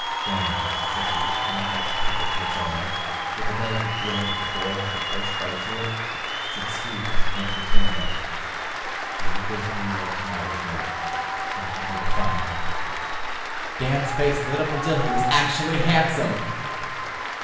"Daniel," said he, handing back the paper to its owner, with a delicate feeling that the boy had the first right to it, since he was the link between them, "will you go to New York to night with me and help me to find her?" Dan's face lit up until he was actually handsome.